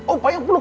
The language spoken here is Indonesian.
opa yang peluk